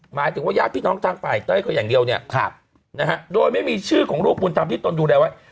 หมายถึงว่ายาวพี่น้องทางฝ่ายตัวเองอย่างเดียวโดยไม่มีชื่อของลูกบุลธรรมที่ตนดูแลไว้